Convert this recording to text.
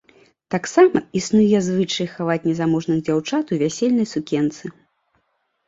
Таксама існуе звычай хаваць незамужніх дзяўчат у вясельнай сукенцы.